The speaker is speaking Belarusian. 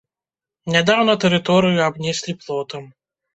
Нядаўна тэрыторыю абнеслі плотам.